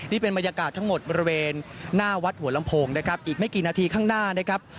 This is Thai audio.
นี่เป็นบรรยากาศทั้งหมดบริเวณหน้าวัดหัวลำโพงนะครับอีกไม่กี่นาทีข้างหน้านะครับ